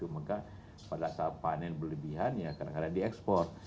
maka pada saat panen berlebihan ya kadang kadang diekspor